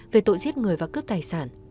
về tội giết người và cướp tài sản